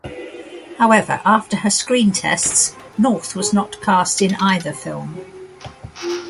However, after her screen tests, North was not cast in either film.